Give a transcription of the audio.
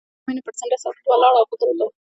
هغه د مینه پر څنډه ساکت ولاړ او فکر وکړ.